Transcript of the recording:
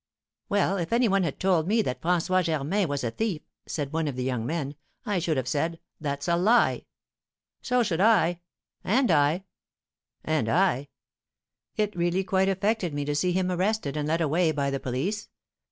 "Well, if any one had told me that François Germain was a thief," said one of the young men, "I should have said, 'That's a lie!'" "So should I." "And I." "And I. It really quite affected me to see him arrested and led away by the police.